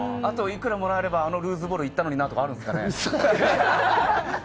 あといくらもらえばあのルーズボールに行ったのになとかあるんですかね？